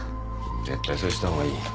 絶対そうした方がいい。